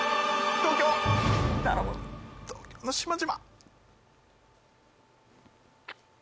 東京の島々。